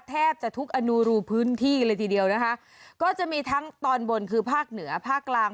แทบจะทุกอนุรูพื้นที่เลยทีเดียวนะคะก็จะมีทั้งตอนบนคือภาคเหนือภาคกลาง